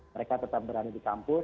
mereka tetap berada di kampus